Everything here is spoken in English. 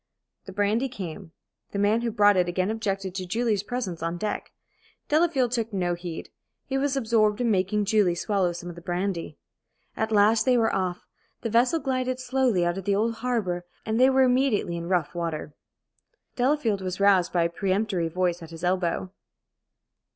The brandy came. The man who brought it again objected to Julie's presence on deck. Delafield took no heed. He was absorbed in making Julie swallow some of the brandy. At last they were off. The vessel glided slowly out of the old harbor, and they were immediately in rough water. Delafield was roused by a peremptory voice at his elbow.